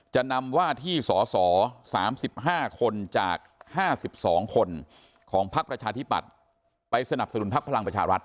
จะนำว่าที่สส๓๕คนจาก๕๒คนของพักประชาธิปัตย์ไปสนับสนุนพักพลังประชารัฐ